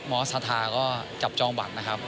อสสทาก็จับจองบัตรนะครับ